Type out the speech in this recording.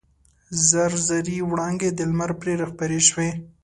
زر زري وړانګې د لمر پرې راخپرې شوې.